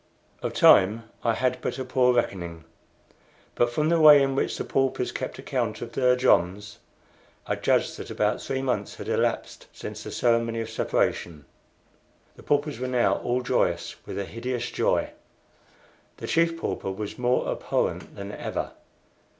Of time I had but a poor reckoning; but, from the way in which the paupers kept account of their joms, I judged that about three months had elapsed since the ceremony of separation. The paupers were now all joyous with a hideous joy. The Chief Pauper was more abhorrent than ever.